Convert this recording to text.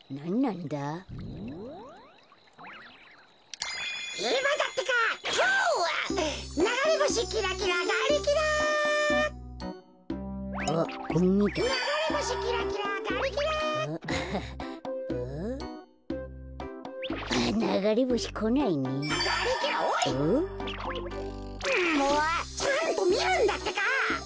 んもうちゃんとみるんだってか。